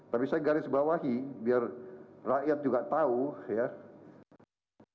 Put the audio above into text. tapi saya garis bawahi biar rakyat juga tahu ya